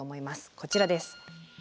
こちらです。